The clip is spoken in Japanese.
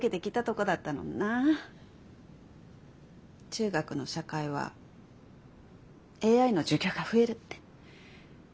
中学の社会はＡＩの授業が増えるって。